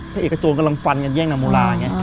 เอกจงกำลังฟันกันแย่งนางโมลาอย่างนี้